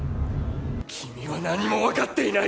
君は何も分かっていない。